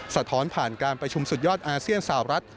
สะท้อนผ่านการประชุมสุดยอดอาเซียนสาวรัฐ